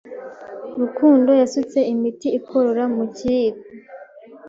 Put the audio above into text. Rukundo yasutse imiti ikorora mu kiyiko.